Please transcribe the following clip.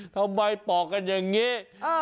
ทำไมปอกกันอย่างนี้